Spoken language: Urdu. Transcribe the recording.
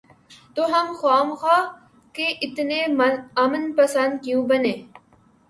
تو ہم خواہ مخواہ کے اتنے امن پسند کیوں بنیں؟